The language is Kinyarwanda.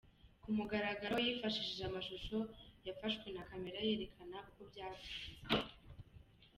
ku mugaragaro yifashishije amashusho yafashwe na Camera yerekana uko byagenze